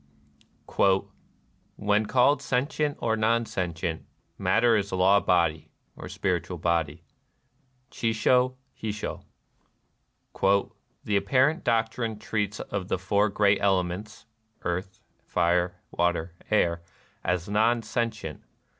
" When called sentient or non sentient, matter is Law Body [or ' spiritual body ']."— Chisho hisho. " The Apparent Doctrine treats of the four great ele m.ents \^earth, Jire, water, air'\ as non sentient.